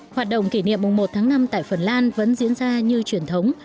hoạt động kỷ niệm một tháng năm tại phần lan vẫn diễn ra như truyền thống